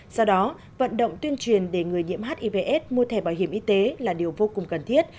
sau đó vận động tuyên truyền để người nhiễm hiv aids mua thẻ bảo hiểm y tế là điều vô cùng cần thiết